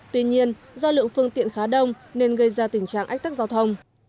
tuy nhiên do lượng phương tiện khá đông nên gây ra tình trạng ách tắc giao thông